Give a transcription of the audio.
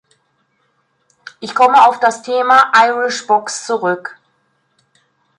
Ich komme auf das Thema "Irish Box" zurück.